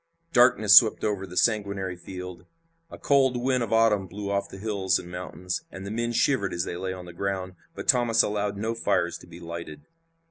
Darkness swept over the sanguinary field. A cold wind of autumn blew off the hills and mountains, and the men shivered as they lay on the ground, but Thomas allowed no fires to be lighted.